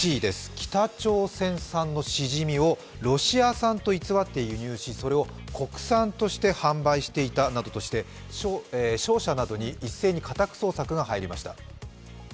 北朝鮮産のシジミをロシア産と偽って輸入し、それを国産として販売していたとして商社などに一斉に家宅捜索が入りました。